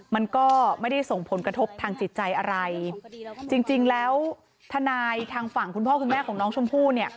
มันก็ไม่ได้ส่งผลกระทบทางจิตใจอะไรจริงจริงแล้วทนายทางฝั่งคุณพ่อคุณแม่ของน้องชมพู่เนี่ย